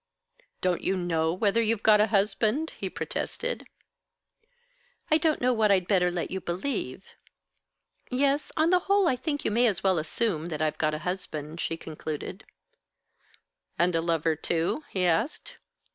"Don't you know whether you've got a husband?" he protested. "I don't know what I'd better let you believe. Yes, on the whole, I think you may as well assume that I've got a husband," she concluded. "And a lover, too?" he asked.